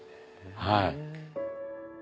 はい。